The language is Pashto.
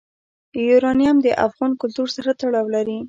یورانیم د افغان کلتور سره تړاو لري.